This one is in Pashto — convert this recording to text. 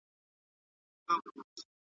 مګر زه خو قاتل نه یمه سلطان یم